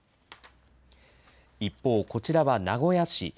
一方、こちらは名古屋市。